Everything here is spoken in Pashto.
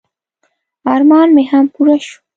ارمان مې هم پوره شو.